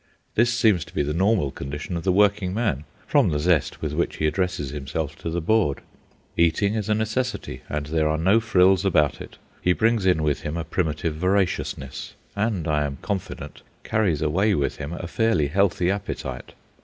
This seems to be the normal condition of the working man, from the zest with which he addresses himself to the board. Eating is a necessity, and there are no frills about it. He brings in with him a primitive voraciousness, and, I am confident, carries away with him a fairly healthy appetite.